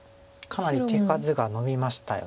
かなり手数がのびましたよね。